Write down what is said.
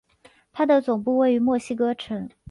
它的总部位于墨西哥城。